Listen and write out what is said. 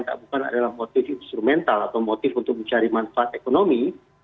kita bukan adalah motif instrumental atau motif untuk mencari manfaat ekonomi